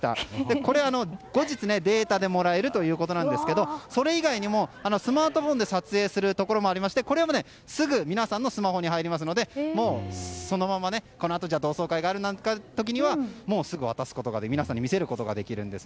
これは後日データでもらえるということですがそれ以外にもスマートフォンで撮影するところもありましてすぐ皆さんのスマホに入りますのでそのまま、このあと同窓会があるなんていう時はすぐ渡して皆さんに見せることができます。